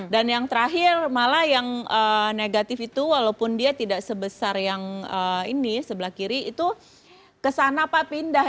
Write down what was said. dan yang terakhir malah yang negatif itu walaupun dia tidak sebesar yang ini sebelah kiri itu kesana pak pindah